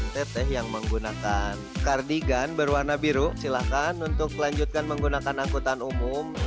teteh yang menggunakan kardigun berwarna biru silakan untuk melanjutkan menggunakan angkutan umum